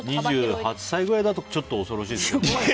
２８歳くらいだとちょっと恐ろしいですね。